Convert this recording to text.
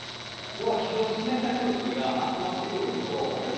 要は非常に湿った空気が集まってくるのと。